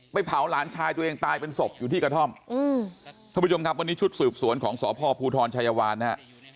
เผาหลานชายตัวเองตายเป็นศพอยู่ที่กระท่อมท่านผู้ชมครับวันนี้ชุดสืบสวนของสพภูทรชายวานนะฮะ